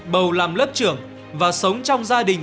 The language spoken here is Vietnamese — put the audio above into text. bầu làm lớp trưởng và sống trong gia đình